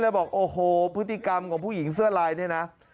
บอกโอ้โหพฤติกรรมของผู้หญิงเสื้อลายเนี่ยนะ